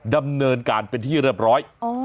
ดำเนินการเป็นที่เรียบร้อย